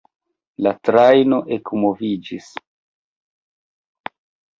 La trajno ekmoviĝis.